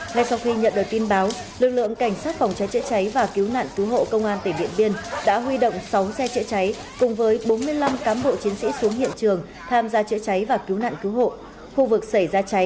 ngay sau khi nhận được tin báo lực lượng cảnh sát phòng cháy chế cháy và cứu nạn cứu hộ công an tỉnh điện biên đã huy động sáu xe chế cháy